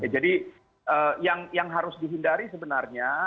jadi yang harus dihindari sebenarnya